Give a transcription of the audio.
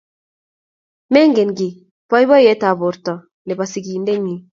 Magen kiiy boiboyetab borto nebo sigindenyi